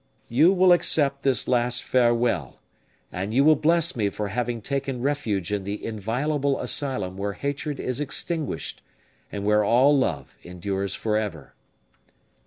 You will accept this last farewell, and you will bless me for having taken refuge in the inviolable asylum where hatred is extinguished, and where all love endures forever.